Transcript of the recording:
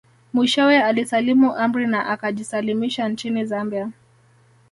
Mwishowe alisalimu amri na akajisalimisha nchini Zambia